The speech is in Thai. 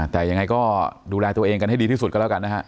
แต่ยังไงก็ดูแลตัวเองกันให้ดีที่สุดก็แล้วกันนะฮะ